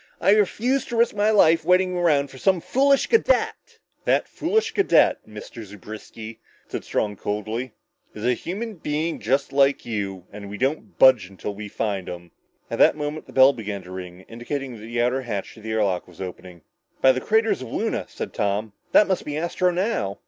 I refuse to risk my life waiting around for some foolish cadet!" "That foolish cadet, Mr. Zewbriski," said Strong coldly, "is a human being like you and we don't budge until we find him!" At that moment the bell began to ring, indicating that the outer hatch to the air lock was opening. "By the craters of Luna," said Tom, "that must be Astro now!"